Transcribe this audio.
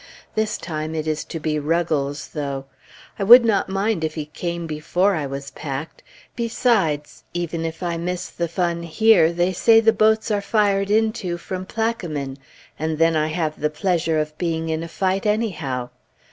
This time it is to be Ruggles, though. I would not mind if he came before I was packed. Besides, even if I miss the fun here, they say the boats are fired into from Plaquemine; and then I have the pleasure of being in a fight anyhow.